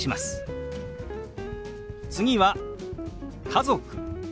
次は「家族」。